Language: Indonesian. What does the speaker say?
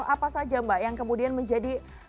apa saja mbak yang kemudian menjadi